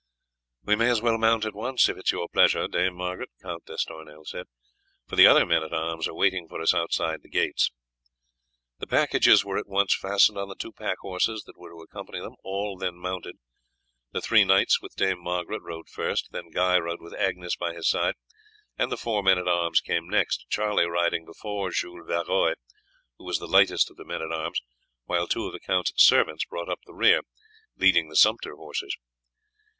"We may as well mount at once, if it is your pleasure, Dame Margaret," Count d'Estournel said, "for the other men at arms are waiting for us outside the gates." The packages were at once fastened on the two pack horses that were to accompany them; all then mounted. The three knights with Dame Margaret rode first, then Guy rode with Agnes by his side, and the four men at arms came next, Charlie riding before Jules Varoy, who was the lightest of the men at arms, while two of the count's servants brought up the rear, leading the sumpter horses.